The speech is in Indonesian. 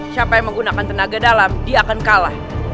siapa yang menggunakan tenaga dalam dia akan kalah